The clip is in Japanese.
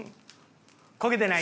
焦げてないか？